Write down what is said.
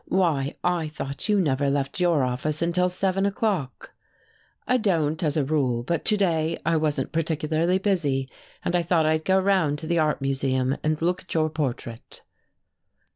Why, I thought you never left your office until seven o'clock." "I don't, as a rule, but to day I wasn't particularly busy, and I thought I'd go round to the Art Museum and look at your portrait."